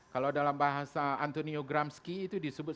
kalau dalam bahasa antonio gramsci itu disebut